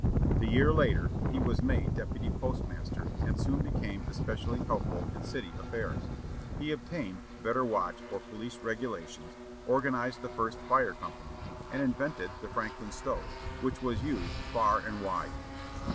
The year later, he was made deputy postmaster, and soon became especially helpful in city affairs. He obtained better watch or police regulations, organized the first fire company, and invented the Franklin stove, which was used far and wide.